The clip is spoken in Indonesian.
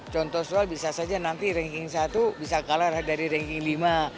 contoh soal bisa saja nanti ranking satu bisa kalah dari ranking lima